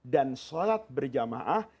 dan shalat berjamaah